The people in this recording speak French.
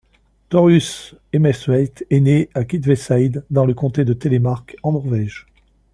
Torjus Hemmestveit est né à Kviteseid dans le comté de Telemark en Norvège.